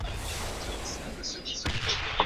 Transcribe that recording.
Mji wa Isiolo ukiwa makao makuu ya Kenya